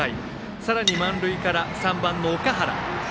さらに満塁から３番の岳原。